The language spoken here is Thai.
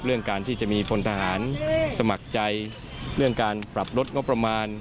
เรื่องการที่จะมีพลทหารสมัครใจเรื่องการปรับลดงบประมาณ